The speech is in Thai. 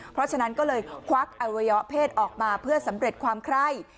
เพราะฉะนั้นก็เลยควักอวัยวะเพศออกมาเพื่อสำเร็จความไคร่